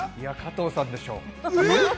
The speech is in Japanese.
加藤さんでしょ。